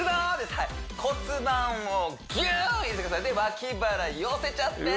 はい骨盤をギューッ入れてくださいで脇腹寄せちゃって！